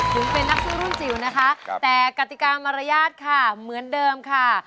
ถึงเป็นนักสู้รุ่นจิ๋วนะคะแต่กติกามารยาทค่ะเหมือนเดิมค่ะ